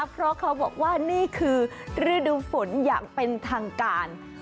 เพราะเขาบอกว่านี่คือฤดูฝนอย่างเป็นทางการ